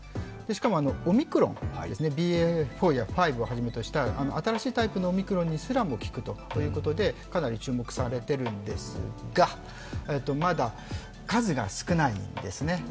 しかもオミクロン、ＢＡ．４や５を対象にした新しいタイプのオミクロンにすら効くとかなり注目されているんですが、まだ数が少ないんですね。